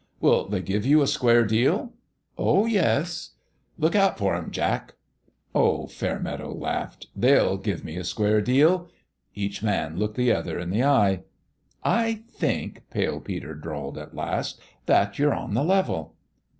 " Will they give you a square deal ?"" Oh, yes !"" Look out for 'em, Jack." " Oh," Fairmeadow laughed, " they'll give me a square deal." Each man looked the other in the eye. "I think," Pale Peter drawled, at last, "that you're on the level."